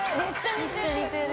めっちゃ似てる。